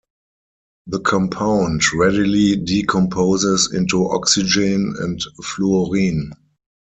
The compound readily decomposes into oxygen and fluorine.